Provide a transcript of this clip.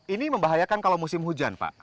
ini membahayakan kalau musim hujan pak